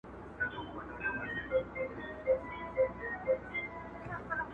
o دوه وړونه درېيم ئې حساب٫